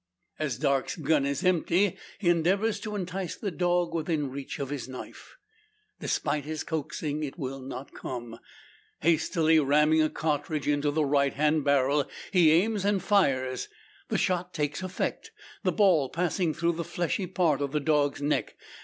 As Darke's gun is empty, he endeavours to entice the dog within reach of his knife. Despite his coaxing, it will not come! Hastily ramming a cartridge into the right hand barrel, he aims, and fires. The shot takes effect; the ball passing through the fleshy part of the dog's neck.